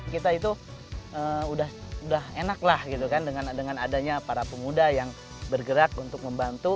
kita itu udah enak lah gitu kan dengan adanya para pemuda yang bergerak untuk membantu